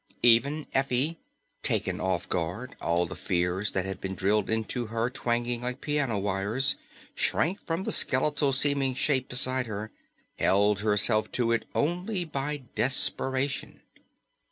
Even Effie taken off guard, all the fears that had been drilled into her twanging like piano wires shrank from the skeletal seeming shape beside her, held herself to it only by desperation.